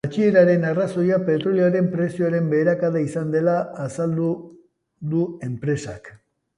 Jaitsieraren arrazoia petrolioaren prezioaren beherakada izan dela azaldu du enpresak.